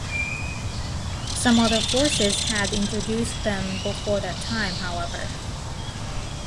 Some other forces had introduced them before that time, however.